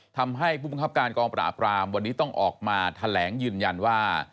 ทำให้ผู้บังคับการกองปราบรามวันนี้ต้องออกมาแถลงยืนยันว่า